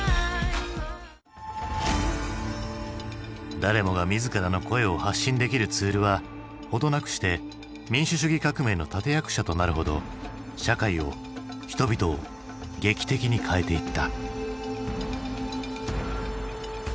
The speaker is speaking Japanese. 誰もが自らの声を発信できるツールは程なくして民主主義革命の立て役者となるほど社会を人々を劇的に変えていった。